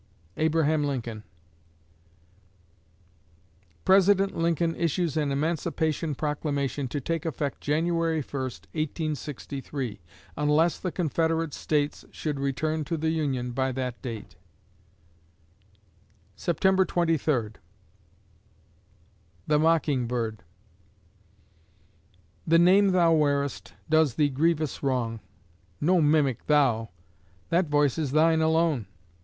ABRAHAM LINCOLN _President Lincoln issues an emancipation proclamation to take effect January 1, 1863, unless the Confederate States should return to the Union by that date_ September Twenty Third THE MOCKING BIRD The name thou wearest does thee grievous wrong. No mimic thou! That voice is thine alone!